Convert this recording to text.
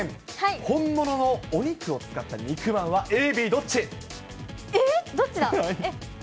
本物のお肉を使った肉まんはＡＢえっ、どっちだ？